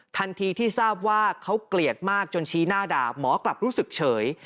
ทันทีที่ทราบว่าเขาเกลียดมากจนชี้หน้าด่าหมอกลับรู้สึกเฉย